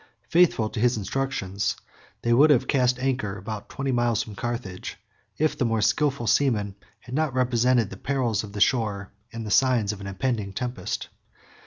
Faithful to his instructions, they would have cast anchor about twenty miles from Carthage, if the more skilful seamen had not represented the perils of the shore, and the signs of an impending tempest.